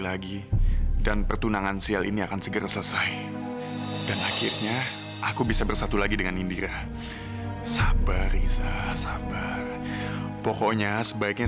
laporan keuangannya ada dimana ya